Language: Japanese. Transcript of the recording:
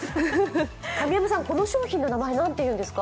神山さん、この商品の名前何て言うんですか？